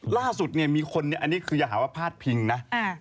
ล่าสุดเนี่ยมีคนนะอันนี้คือยังป้าชพึงนะ